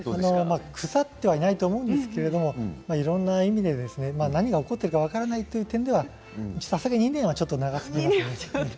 腐ってはないと思うんですけど、いろんな意味で何が起こっているか分からないという点ではさすがに２年はちょっと長すぎます。